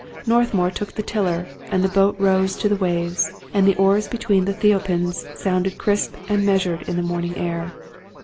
Northmour took the tiller ; the boat rose to the waves, and the oars between the tholepins, sounded crisp and measured in the morning air.